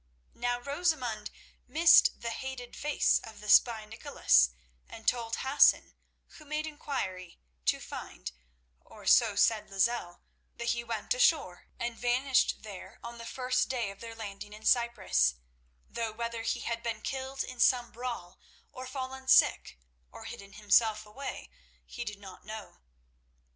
Now Rosamund missed the hated face of the spy, Nicholas, and told Hassan, who made inquiry, to find—or so said Lozelle—that he went ashore and vanished there on the first day of their landing in Cyprus, though whether he had been killed in some brawl, or fallen sick, or hidden himself away, he did not know.